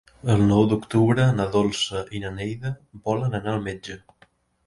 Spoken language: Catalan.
El nou d'octubre na Dolça i na Neida volen anar al metge.